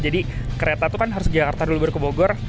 jadi kereta itu kan harus di jakarta dulu baru ke bogor